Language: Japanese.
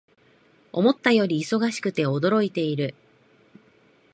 思ったより忙しくて驚いている